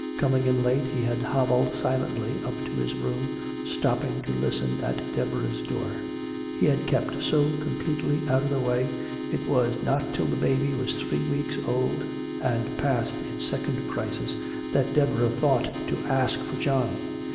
Coming in late, he had hobbled silently up to his room, stopping to listen at Deborah's door. He had kept so completely out of the way, it was not till the baby was three weeks old, and past its second crisis, that Deborah thought to ask for John.